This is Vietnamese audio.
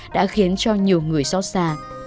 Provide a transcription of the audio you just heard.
đã khiến cho nhiều người xót xa